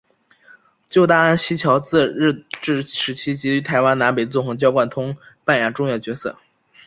旧大安溪桥自日治时期即于台湾南北纵贯交通扮演重要角色。